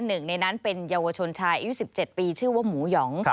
หนึ่งในนั้นเป็นเยาวชนชายอายุ๑๗ปีชื่อว่าหมูหยอง